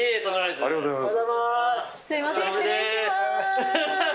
ありがとうございます。